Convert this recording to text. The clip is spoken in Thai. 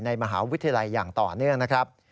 มหาวิทยาลัยอย่างต่อเนื่องนะครับ